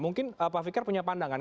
mungkin pak fikar punya pandangan